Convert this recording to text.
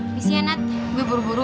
abis itu ya nat gue buru buru